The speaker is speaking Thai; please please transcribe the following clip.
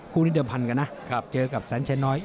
คู่นี้เดิมพันกันนะเจอกับแสนชัยน้อย